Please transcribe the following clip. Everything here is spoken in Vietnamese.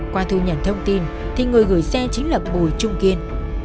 qua thu nhận thông tin thì người gửi xe chính là bùi trung kiên